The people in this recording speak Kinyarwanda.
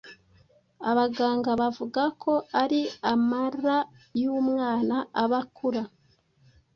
abaganga bavuga ko ari amara y’umwana aba akura,